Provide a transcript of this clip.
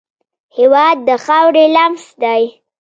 هېواد د خاورې لمس دی.